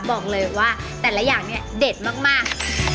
บอกเลยว่าแต่ละอย่างเนี่ยเด็ดมาก